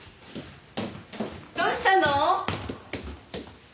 どうしたの？